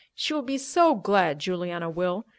She will be so glad, Juliana will.